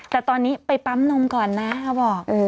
แต่ตอนนี้ไปปั๊มนมก่อนนะเขาบอก